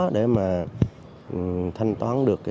để mà thanh toán được